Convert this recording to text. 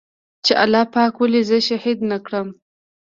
چې الله پاک ولې زه شهيد نه کړم.